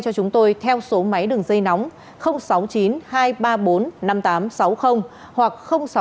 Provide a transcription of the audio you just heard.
cho chúng tôi theo số máy đường dây nóng sáu mươi chín hai trăm ba mươi bốn năm nghìn tám trăm sáu mươi hoặc sáu mươi chín hai trăm ba mươi hai một nghìn sáu trăm bảy